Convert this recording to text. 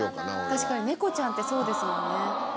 確かにネコちゃんってそうですもんね。